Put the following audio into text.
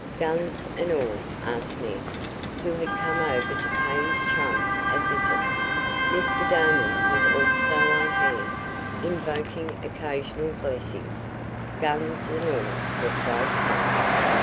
"Guns and all?" asked Ned, who had come over to pay his chum a visit. Mr. Damon was also on hand, invoking occasional blessings. "Guns and all," replied Tom.